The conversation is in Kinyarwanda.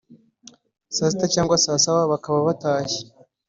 saa sita cyangwa saa saba bakaba batashye